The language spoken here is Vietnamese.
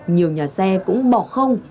nhiều nhà xe cũng bỏ không